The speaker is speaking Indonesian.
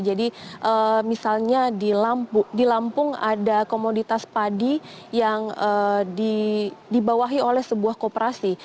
jadi misalnya di lampung ada komoditas padi yang dibawahi oleh sebuah kooperasi